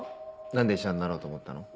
何で医者になろうと思ったの？